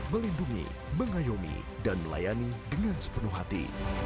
melindungi mengayomi dan melayani dengan sepenuh hati